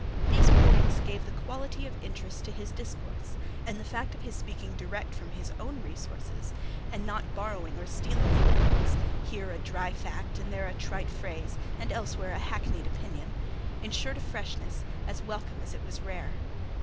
These points gave the quality of interest to his discourse; and the fact of his speaking direct from his own resources, and not borrowing or stealing from books—here a dry fact, and there a trite phrase, and elsewhere a hackneyed opinion—ensured a freshness, as welcome as it was rare.